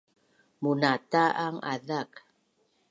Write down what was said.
munata’ang azak